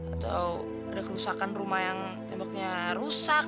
atau ada kerusakan rumah yang temboknya rusak